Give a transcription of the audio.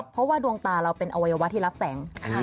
เพราะว่าดวงตาเราเป็นอวัยวะที่รับแสง